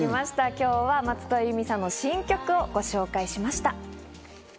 今日は松任谷由実さんの新曲をご紹介しました。